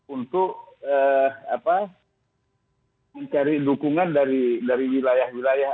untuk mencari dukungan dari wilayah wilayah